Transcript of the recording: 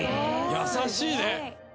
優しいね。